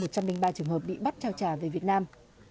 một trăm linh ba trường hợp bị bắt trao trả về việt nam